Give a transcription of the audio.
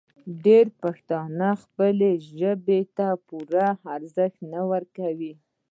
ډېری پښتانه خپلې ژبې ته پوره ارزښت نه ورکوي.